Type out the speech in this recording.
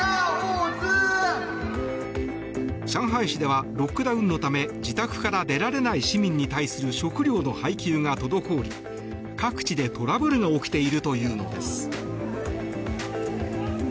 上海市ではロックダウンのため自宅から出られない市民に対する食料の配給が滞り各地でトラブルが起きているというのです。